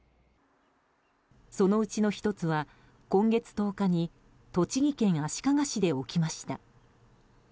そのうちの１つは今月１０日に栃木県足利市で起きました。